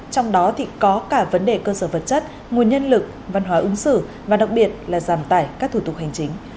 trong đó có cả vấn đề cơ sở vật chất nguồn nhân lực văn hóa ứng xử và đặc biệt là giảm tải các thủ tục hành chính